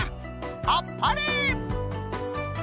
あっぱれ！